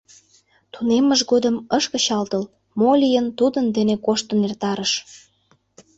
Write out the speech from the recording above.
Тунеммыж годым ыш кычалтыл: мо лийын, тудын дене коштын эртарыш.